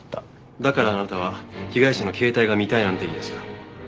だからあなたは被害者の携帯が見たいなんて言い出した。